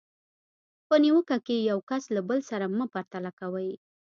په نیوکه کې یو کس له بل سره مه پرتله کوئ.